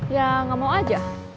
ya gak mau aja